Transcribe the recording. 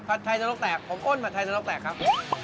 ไทยนรกแตกผมอ้นผัดไทยนกแตกครับ